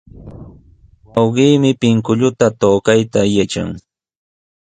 Wawqiimi pinkulluta tukayta yatran.